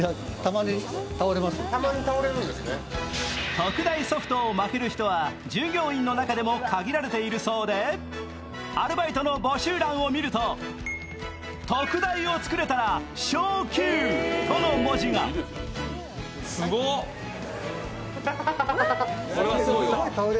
特大ソフトを巻ける人は従業員の中でも限られているそうでアルバイトの募集欄を見ると特大を作れたら昇給との文字がこれはすごいわ。